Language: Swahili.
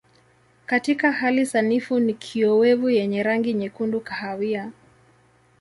Katika hali sanifu ni kiowevu yenye rangi nyekundu kahawia.